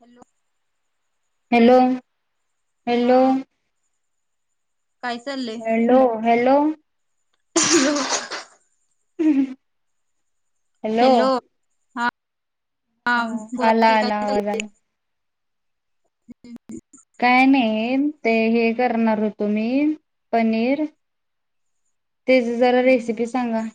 Hello hello. Hello. हा काय चाललंय हॅलो, हॅलो. [inaudible] [unintelligible] हॅलो, हा हा. हा बोला आला की काय आला आवाज चाललय? आला हू, हू. काय नाही ते हे करणार होतो मी पनीर तेज जरा हम्म हम्म रेसिपी सांगा?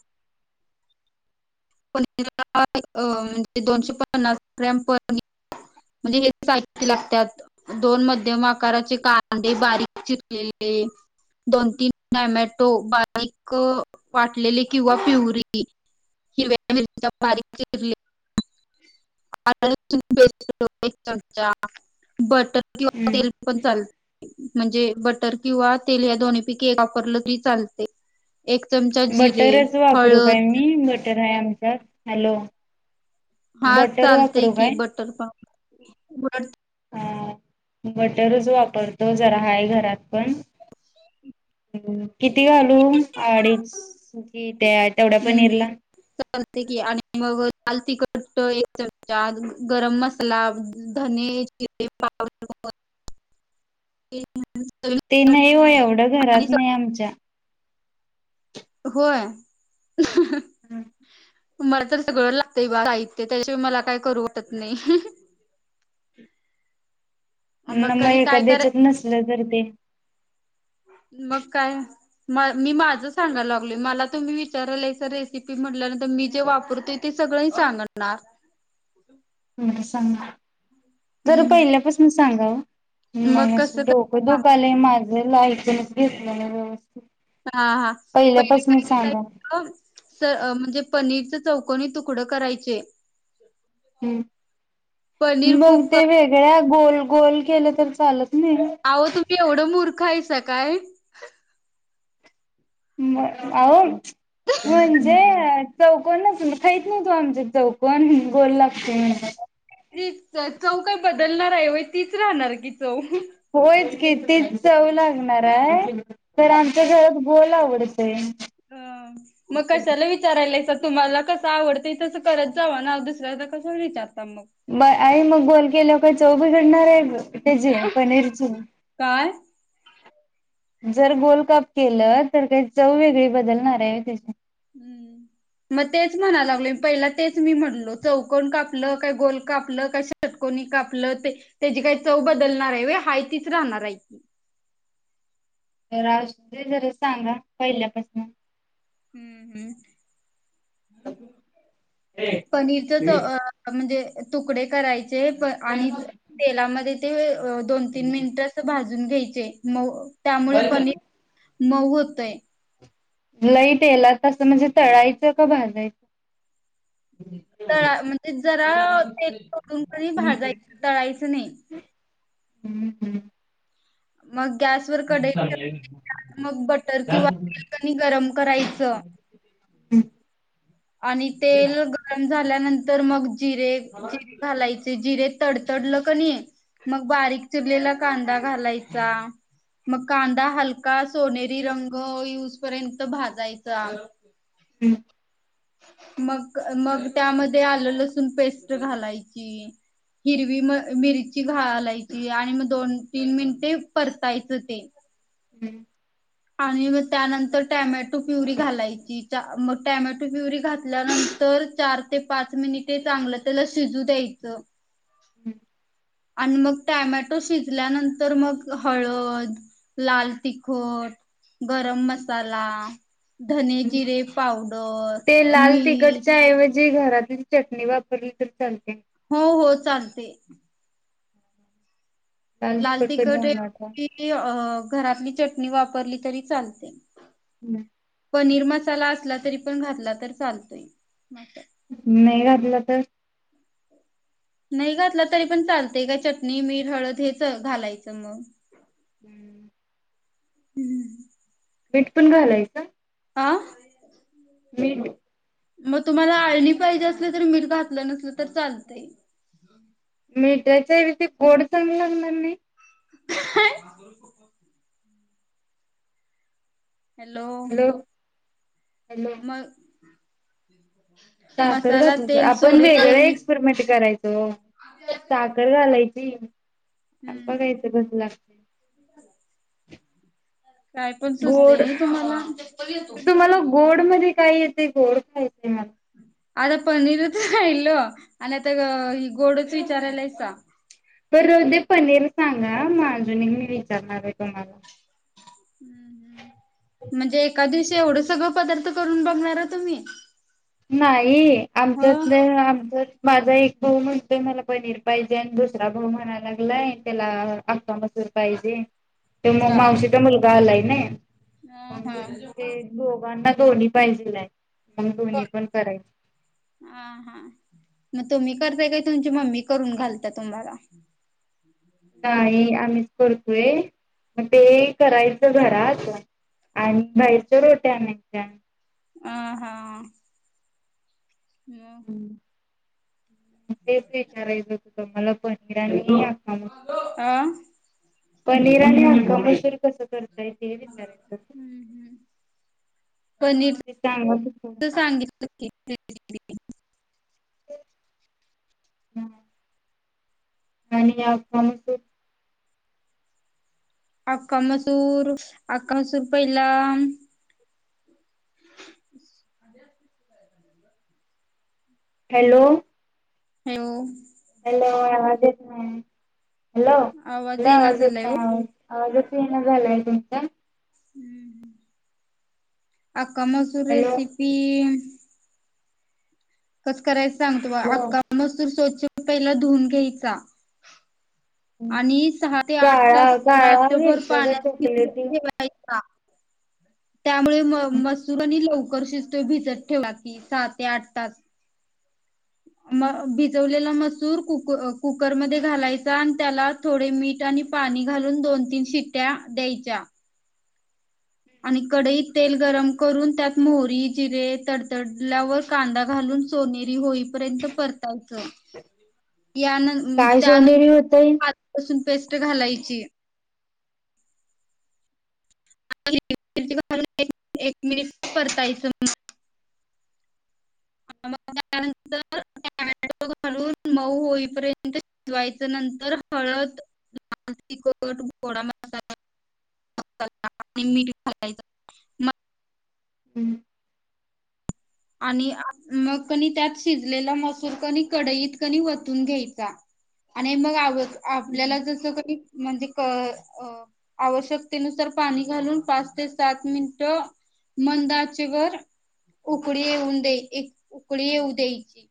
अ म्हणजे दोनशे पन्नास ग्रॅम पनिर म्हणजे हे साहित्य लागत्यात दोन मध्यम आकाराचे कांदे बारीक चिरलेले दोन, तीन टामॅटो बारीक वाटलेले किंवा पिव्हरी हिरव्या मिरच्या बारीक चिरलेल्या [unintelligible] चमचा बटर किंवा हम्म तेल पण चालत म्हणजे बटर किंवा तेल या दोन्ही पैकी एक वापरलं तरी चालतय? बटरच वापरू काय मी? बटर आहे आम च्यात हॅलो हा बटर चालतय वापरू की काय बटरपा बस. अ बटरच वापरतो जरा हाय घरात पण किती घालू अडीच त्या तेवढ्या हम्म पनीरला हल तिखट एक चमचा गरम मसाला धने जिरे पावड ते नाही हो एवढं घरात नाही आमच्या होय. हम्. मला तर सगळं लागतं बा साहित्य त्याच्या मला काय? करू वाटत नाही. न कणी मग काय कर एद्याच्यात नसलं तर ते मग काय म मी माझ सांगायला लागल मला तुम्ही विचारायला रेसिपी म्हटल्यानंतर मी जे वापरतो ते सगळ सांगणार. सांना हम्म जर हम्म पहिल्यापासून सांगा ओ. मग मण कसं क डोकं सांगू धुकालय माझं लाईट जनप अस हा हा पहिली सांगा म्हणजे पनीर चौकनी तुकडं करायचे. पनीर हम्म मग खूप क ते वेगळ्या गोल गोल केलं तर चालत नाही अहो तुम्ही एवढं मूर्त ख हाईसा काय? म अ म्हणजे चौकनच खहीत नवतो आमच्या चौकन गोल लागतो म्हणल. तीत चव काय बदलणार आहे वय तीच राहणार की. चव होयच की तीच चव लागणार हाय आमच्या घरात गोल आवडत अ मग कशाला विचारायलाईसा? तुम्हाला कसं आवडतय तसं करत जावा ना दुसऱ्याला कसं विचार ब आई मग बोल केल्याव पण चव बदलणार हाय त्याजे पनीरची काय? जर गोलकाप केलं तर काही चव वेगळी बदलणार हाय व्हय त्याची? हम्म मग तेच म्हणा लागलोय पहिला तेच मी म्हणलो चौकण कापलं काही गोल कापलं काय षटकोनी कापलं ते त्याजी काय चव बदलणार हाय व्हय हाय तीच राहणार आहे की तर आज ते तरी सांगा पहिल्यापासून हम्म हम्म. पनीरच चव अ म्हणजे तुकडे करायचे तेप आणि तेलामधे ते अ दोन तीन मिनिटं अस भाज न घ्यायचे म त्यामुळे पनी मग होतय. लई तेलात असं म्हणजे तळायचं का भाजाय? तळा म्हणजे जरा तेल सोडून क नई भाजायच तळायचं नई. हम्म हम्म. मग गॅसवर कडई मग बटर किंवा क नई गरम करायचं हम्म आणि तेल गरम झाल्यानंतर मग जिरे जिरे घालायचे जिरे तडतडलं क नाही, मग बारीक चिरलेला कांदा घालायचा, मग कांदा हलका सोनेरी रंग येऊसपर्यंत भाजायचा. हम्म. मग, मग त्यामध्ये आलं लसून पेस्ट घालायची. हिरवी म मिर ची घालायची आणि मग दोन तीन मिनटे परतायच ते. हम्म. आणि मग त्यानंतर टॅमॅटो प्युरी घालायची. मग टॅमॅटो प्युरी घातल्यानंतर चार ते पाच मिनिटे चांगलं त्याला शिजू द्यायचं. आणि मग टॅमॅटो शिजल्यानंतर मग हळद, लाल तिखट, गरम मसाला. धने हम्म जिरे पावडर, मीठ. जी घरातली चटणी वापरली तर चल हॊ होच. चालते. लाल तिखट कधी तिकट हे बनवता? लवंगी [unintelligible] अ घरातली चट नी वापरली तरी चालते. हम. पनीर मसाला असला तरी पण घातला तर चालतोय. नाही घातलं तर? नई घातला तरी पण चालतय, काय चटणी मीठ हळद हेच घालायचं मग. हम्म [inaudible] हम्म. मीठ पण घालायच? आह. मीठ. म तुम्हालाआ आळणि पाहिजे असेल तर मिठ घा लं नसल तर चालतय मिठाच्या ऐवजी ते गोड चांगल लागणार नाही. हाअ. ह हॅलो. हॅलो मग. [inaudible] साखर मसाला घातली तेल आपण वेगळ सोडेपर्यंत एक्सपेरिमेंट करायचो साखर घालायची. तीन. हम्म बघायचं कस लाग ह् [inaudible] काय पण सुचतय नई तुम्हाला तुम्हाला गोड मध्ये काय येते गोड खायचे मला आता पनीरच राहिल आणि आता गोडच विचारायलायसा बर राहू दे पनीर सांगा माज मी विचारणार आहे तुम्हाला म्हणजे एका दिवशी एवढं सगळं पदार्थ करून बघणारा तुम्ही नाही हो आमच्यात आमच माझा एक भाऊ म्हणतोय मला पनीर पाहिजे. आणि दुसरा भाऊ म्हणायला लागलाय त्याला अका मसूर पाहिजे. ते मग का? मावशी तर मला [inaudible] नाही हा हा [unintelligible] दोन्ही पाहिजेल हाय [inaudible] हम्म हम्म तुम्ही करताय काही तुमची मम्मी करून घालत्याया तुम्हाला? नाही आम्हीच करतोय मग ते करायचं घरात आणि बाहेरच रोट्या आणायच्या. हा हा. हम्म. तेच विचारायचं मला पण आं. पनीर कणी अक्का मसूर कस करताय हे विचारयचं हम्म पनीरच ते सांग सांगितलं की हम्म. आणि आमच. आक्का मसूर आक्का मसूर पहिला हॅलो, हो. हॅलो आवाज येतोय ना. हॅलो येईना आवाज येत झालाय ओ नाही आवाज झालंय तुमचा? हम्म हम्म. आक्का मसूर हॅलो रेसिपी [unintelligible] कसं कराय सांग हॅलो आक्का मसूर स्वच्छ पहिला धुऊन घ्यायचा. आणि सहा ते आठ काळा तास काळा रात्रभर घ्यायचं ग पाण्यात भीजुन चॉकलेटी ठेवायचा, त्यामुळे म मसूर आणि [unintelligible] भिजत ठेवला क सहा ते आठ तास. म भिजवलेला मसूर कु कुकरमध्ये घालायचा आणि त्याला थोडे मीठ, आणि पाणी घालून दोन, तीन शिट्ट्या द्यायच्या. आणि कडईत तेल गरम करून त्यात मोहरी जिरे तडतडल्यावर कांदा घालून सोनेरी होईपर्यंत परतायचं यान काय सोनेरी होतय त्यानंतर पेस्ट घालायची. एक मिनिट परतायचं मग मग त्यानंतर टमॅट घालून मऊ होईपर्यंत शिजवायच नंतर हळद लाल तिखट घोडा मसाला आणि मीठ घालायच म हम्म. आणि मग क त्यात शिजलेला मसूर क कडईत कणी वतून घ्यायचा आणि मग आ. आपल्याला जसं काही म्हणजे आवश्यकतेनुसार पाणी घालून पाच ते सात मिनिट मंद आचेवर वर उकळी येऊन दे्या एक उकळी येऊ द्यायची.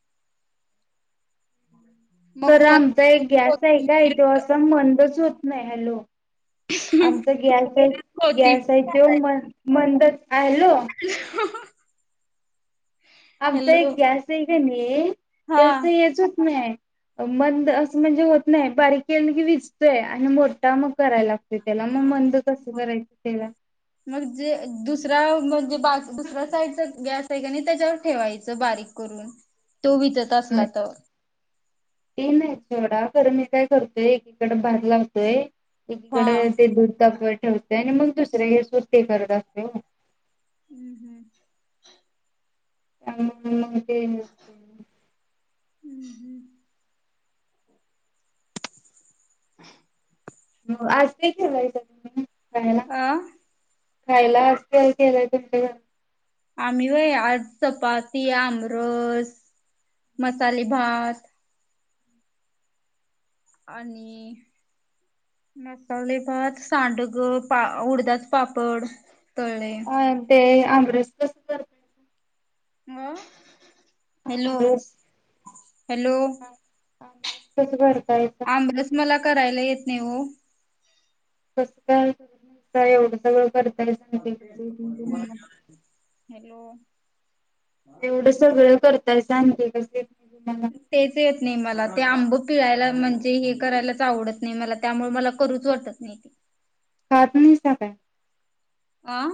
मग तर आमचा एक वरून गॅस हाय काय कोथिंबीर तो असा मंदच. होत नाही हॅलो. आमचा गॅस हाय गॅस हाय कोथिंबीर तेो घालायची. म मंदच. हा हॅलो. [unintelligible] आमचा एक हॅलो गॅस नी हा त्यास हेचच नाही. मंद असं म्हणजे होत नाही बारीक के की विजतोय आणि मोठा मग करायला लागतो. त्याला मग मंद कस. करायचं त्येला मग जे दुसरा म्हणजे बाजू दुसऱ्या साईडचा गॅस आहे का नाही, त्याच्यावर ठेवायचं बारीक करून. तो विजत असला त तर मी काय करतेय, एकीकडे भात लावतेय. हा एकीकडे ते दुद तापत. ठेवते आणि मग दुसरे हे सुट्ट ते करत असते हो. हम्म हम्म [inaudible] आ ते [inaudible] हूं हूं. [inaudible] हो आज नाही खेवायच तु [unintelligible] आ. खायला असल केलंय तु [inaudible] [inaudible] आम्ही व्हयं आज चपाती, आमरस, मसाले भात, आणि मसाले भात सांडग, पा.. उडदाच पापड. तळले अं ते आम. कस करय [inaudible] अं. हम [unintelligible] हॅलो. तसगर आमरस मला करायला येत नई ओ. कस काय [unintelligible] त्या एवढं सगळं कर [unintelligible] हॅलो. एवढं सगळं कर तर सांगते कसे तेच येत नई मला. ते आंबं पिळायला म्हणजे हे करायलाच आवडत नई मला, त्यामुळे मला करूच वाटत नई ते. [unintelligible] आं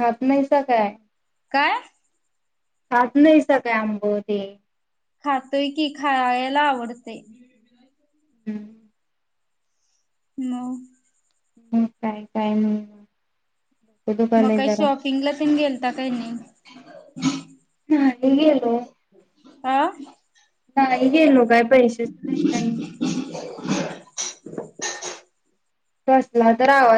हात नाहीस का काय? काय? खात नाहीस का काय आंबं ते? खातोय की, खायायला आवडतय. हम् नो हूं काय काय हं. मग काय शॉपिंगला तेन गेल ता काय नाही? नाही गेलो आं नाही गेलो काय पैशाच नाही का नाही. [unintelligible] कसला तर आवा